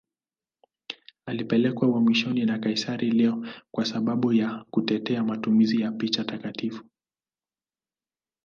Alipelekwa uhamishoni na kaisari Leo V kwa sababu ya kutetea matumizi ya picha takatifu.